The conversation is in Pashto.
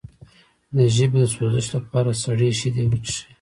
د ژبې د سوزش لپاره سړې شیدې وڅښئ